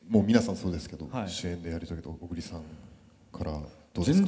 そうですけど主演でやり遂げた小栗さんからどうですか。